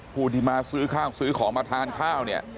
ผู้ที่มาซื้อขมาทานข้าวเนี่ย